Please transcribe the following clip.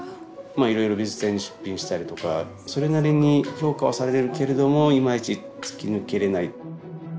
いろいろ美術展に出品したりとかそれなりに評価はされるけれどもいまいち突き抜けれない。